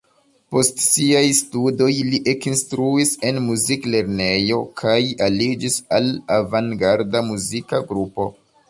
Post siaj studoj li ekinstruis en muziklernejo kaj aliĝis al avangarda muzika grupo.